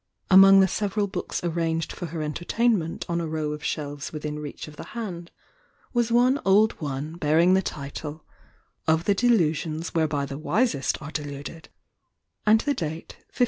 Among the several books arranged for her entertainment on a row of shelves within reach of the hand, was one old one bearing the title: "Of the Delusions whereby the Wisest are Deluded"— and the date 1584.